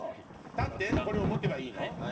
立ってこれを持てばいいの？